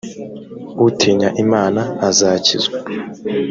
utinya imana azakizwa